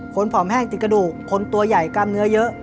ผอมแห้งติดกระดูกคนตัวใหญ่กล้ามเนื้อเยอะ